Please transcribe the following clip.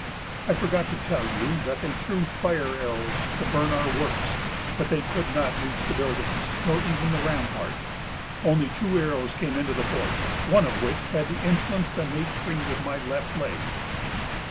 I forgot to tell you that they threw fire arrows to burn our works, but they could not reach the buildings, nor even the rampart. Only two arrows came into the fort, one of which had the insolence to make free with my left leg."